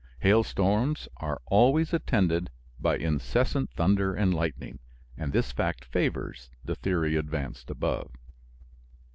Hailstorms are always attended by incessant thunder and lightning, and this fact favors the theory advanced above.